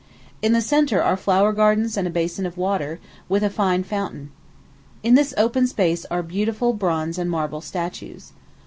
In the centre are flower gardens and a basin of water, with a fine fountain. In this open space are beautiful bronze and marble statues.